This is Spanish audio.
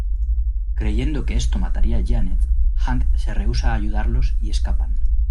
Creyendo que esto mataría a Janet, Hank se rehúsa a ayudarlos y escapan.